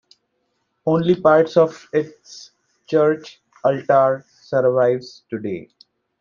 Only part of its church altar survives today.